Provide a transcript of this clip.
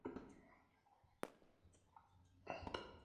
Hojas alternas, generalmente algunas formando una roseta basal laxa.